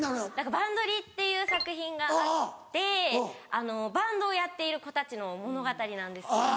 『ＢａｎＧＤｒｅａｍ！』っていう作品があってバンドをやっている子たちの物語なんですけれども。